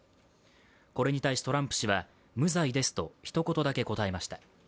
これに対し、トランプ氏は無罪ですとひと言だけ答えました。